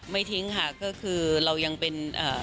ทิ้งค่ะก็คือเรายังเป็น